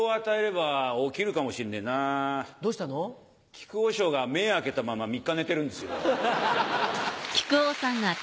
木久扇師匠が目開けたまま３日寝てるんですよ。